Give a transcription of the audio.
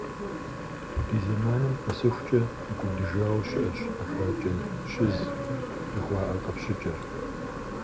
Ди зэманым къэсхункӏэ мыкӏуэдыжауэ щыӏэщ «ӏэфракӏэщыз» жыхуаӏэ къэпщыкӏэр.